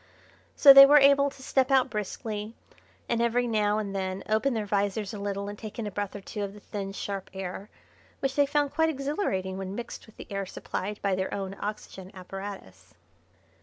So they were able to step out briskly, and every now and then open their visors a little and take in a breath or two of the thin, sharp air, which they found quite exhilarating when mixed with the air supplied by their own oxygen apparatus.